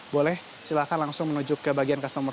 boleh silakan langsung menuju ke bagian kesempatan